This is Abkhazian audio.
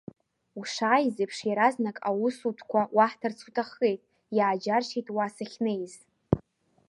Ушааиз еиԥш, иаразнак аусутәқәа уаҳҭарц уҭаххеит, иааџьаршьеит уа сахьнеиз.